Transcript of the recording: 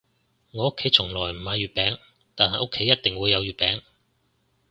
我屋企從來唔買月餅，但係屋企一定會有月餅